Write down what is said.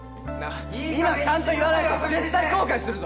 今ちゃんと言わないと絶対後悔するぞ！